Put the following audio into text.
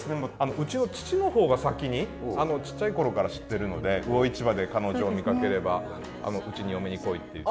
うちの父のほうが先にちっちゃいころから知ってるので魚市場で彼女を見かければ「うちに嫁にこい」って言ってた。